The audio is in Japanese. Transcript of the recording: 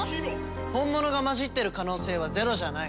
本物が交じってる可能性はゼロじゃない。